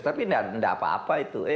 tapi tidak apa apa itu